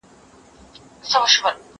زه اجازه لرم چي چای تيار کړم؟!